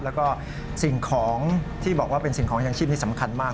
แล้วก็สิ่งของที่บอกว่าเป็นสิ่งของยังชีพนี้สำคัญมาก